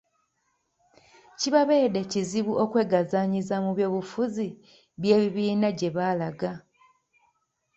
Kibabeeredde kizibu okwegazanyiza mu by'obufuzi by'ebibiina gye baalaga.